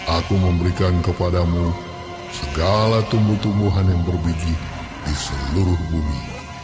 aku memberikan kepadamu segala tumbuh tumbuhan yang berbiji di seluruh bumi